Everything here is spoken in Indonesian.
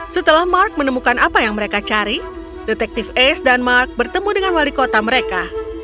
setelah mark menemukan apa yang mereka cari detektif ace dan mark bertemu dengan wali kota mereka